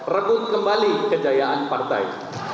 rebut kembali kejayaan partai